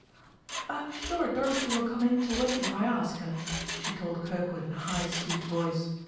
"I am sure Dorothy will come in to wait, if I ask her," she told Kirkwood in a high sweet voice.